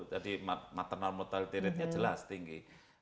jadi maternal mortality rate nya jelas tinggi